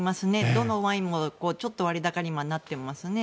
どのワインもちょっと割高に今、なってますね。